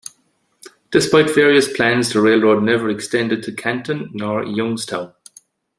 Despite various plans the railroad never extended to Canton nor Youngstown.